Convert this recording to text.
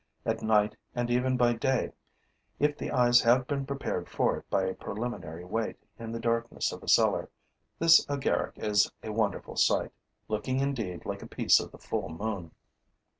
At night and even by day, if the eyes have been prepared for it by a preliminary wait in the darkness of a cellar, this agaric is a wonderful sight, looking indeed like a piece of the full moon.